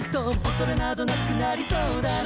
「恐れなどなくなりそうだな」